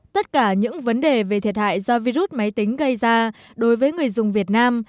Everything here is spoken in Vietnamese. tất cả những vấn đề về thiệt hại do virus máy tính gây ra đối với người dùng việt nam